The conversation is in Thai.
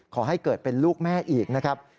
ขอให้เกิดเป็นลูกแม่อีกนะครับ